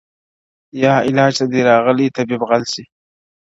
• یا علاج ته دي راغلی طبیب غل سي -